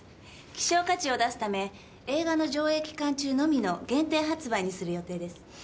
希少価値を出すため映画の上映期間中のみの限定発売にする予定です。